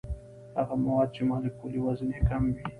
هغه مواد چې مالیکولي وزن یې کم وي.